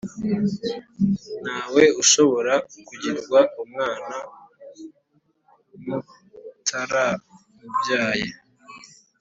Ntawe ushobora kugirwa umwana n utaramubyaye